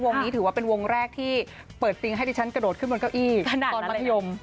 นี้ถือว่าเป็นวงแรกที่เปิดปิงให้ดิฉันกระโดดขึ้นบนเก้าอี้ตอนมัธยม